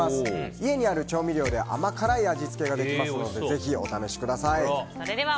家にある調味料で甘辛い味付けができますのでぜひお試しください。